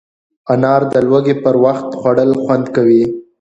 انار د لوږې پر وخت خوړل خوند کوي.